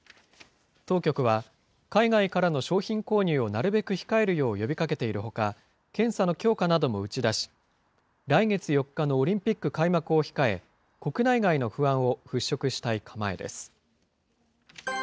当局は、海外からの商品購入をなるべく控えるよう呼びかけているほか、検査の強化なども打ち出し、来月４日のオリンピック開幕を控え、国内外の不安を払拭したい構えです。